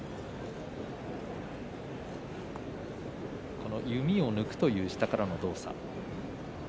この弓を抜くという下からの動作。